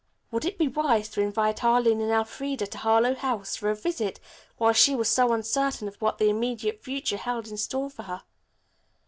Would it be wise to invite Arline and Elfreda to Harlowe House for a visit while she was so uncertain of what the immediate future held in store for her?